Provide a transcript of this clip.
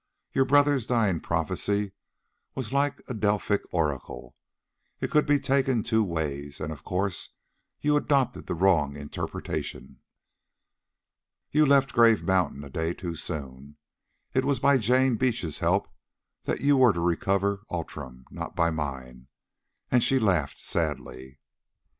Your brother's dying prophecy was like a Delphic oracle—it could be taken two ways, and, of course, you adopted the wrong interpretation. You left Grave Mountain a day too soon. It was by Jane Beach's help that you were to recover Outram, not by mine," and she laughed sadly.